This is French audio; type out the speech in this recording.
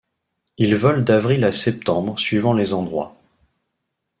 Il vole d'avril à septembre suivant les endroits.